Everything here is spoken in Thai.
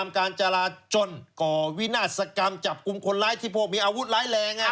คงเป็นอวุธร้ายแรง